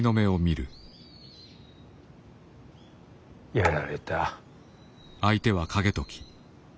やられた。